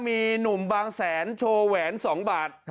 มีหนุ่มบางแสนโชว์แหวน๒บาท